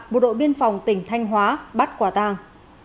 bộ đội biên phòng tỉnh thanh hóa bắt quả tàng